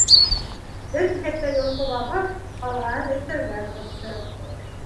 Бер киҫәктәй йолҡоп алғас, ҡалғанын өҫтәлгә ырғытты.